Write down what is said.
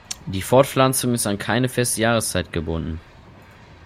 Die Fortpflanzung ist an keine feste Jahreszeit gebunden.